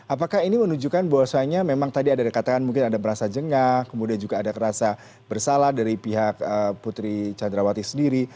apakah ini menunjukkan bahwasanya memang tadi ada dikatakan mungkin ada merasa jengah kemudian juga ada rasa bersalah dari pihak putri candrawati sendiri